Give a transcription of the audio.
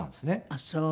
あっそう。